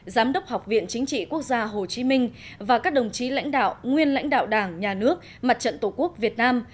giám đốc học viện chính trị quốc gia hồ chí minh và các đồng chí lãnh đạo nguyên lãnh đạo đảng nhà nước mặt trận tổ quốc việt nam